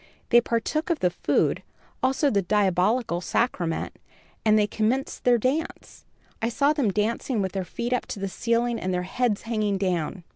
They partook of the food, also the diabolical sacrament, and then commenced their dance. I saw them dancing with their feet up to the ceiling and their heads hanging down.